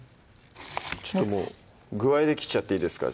ちょっともう具合で切っちゃっていいですか？